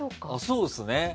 そうですね。